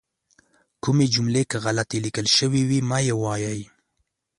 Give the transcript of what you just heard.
کومې جملې که غلطې لیکل شوي وي مه یې وایئ.